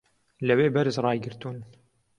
لەوێ بەرز ڕایگرتوون